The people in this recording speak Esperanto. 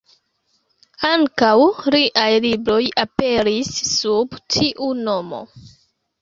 Ankaŭ liaj libroj aperis sub tiu nomo.